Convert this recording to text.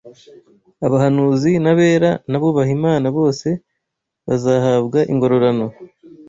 abahanuzi n’abera n’abubaha Imana bose bzahabwa ingororano